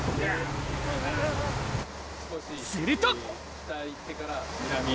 すると！